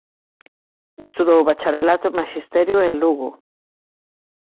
Estudou o Bacharelato e Maxisterio en Lugo.